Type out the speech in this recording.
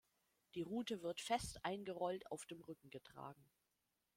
Die Rute wird fest eingerollt auf dem Rücken getragen.